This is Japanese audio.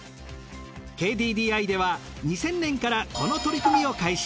ＫＤＤＩでは２０００年からこの取り組みを開始。